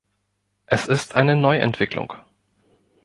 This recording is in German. Es ist eine Neuentwicklung.